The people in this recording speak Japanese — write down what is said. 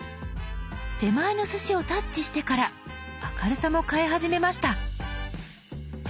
手前のすしをタッチしてから明るさも変え始めました。